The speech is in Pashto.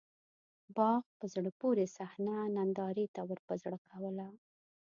باغ په زړه پورې صحنه نندارې ته ورپه زړه کوله.